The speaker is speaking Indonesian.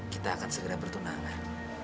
kita akan segera bertunangan